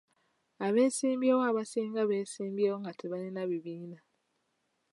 Abesimbyewo abasinga beesimbyewo nga tebalina bibiina.